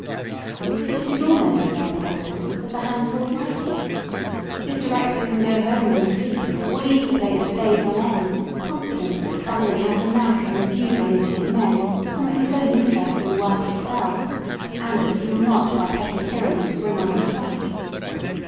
But it IS almost more important that the hands all like him. His director can go home and sleep, or leave the place for days on end, confident that Stanley has the knack of infusing into his men some of his own interest in the work itself, and that he will not by petty tyrannies bring on a strike.